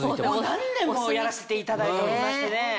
何年もやらせていただいておりましてね。